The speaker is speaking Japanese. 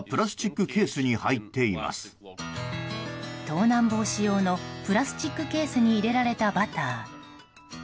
盗難防止用のプラスチックケースに入れられたバター。